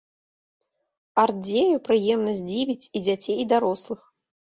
Арт-дзея прыемна здзівіць і дзяцей, і дарослых.